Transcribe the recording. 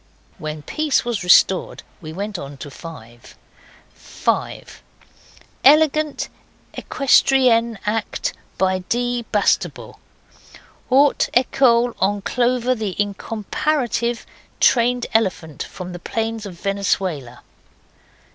When peace was restored we went on to 5.) 5. Elegant equestrian act by D. Bastable. Haute ecole, on Clover, the incomparative trained elephant from the plains of Venezuela.